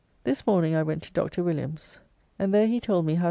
This morning I went to Dr. Williams, and there he told me how T.